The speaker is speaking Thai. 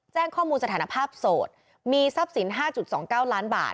แจ้งข้อมูลสถานภาพโสดมีทรัพย์สิน๕๒๙ล้านบาท